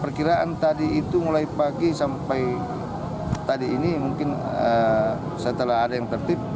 perkiraan tadi itu mulai pagi sampai tadi ini mungkin setelah ada yang tertib